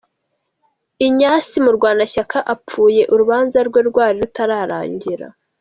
Ignace Murwanashyaka apfuye urubanza rwe rwari rutararangira.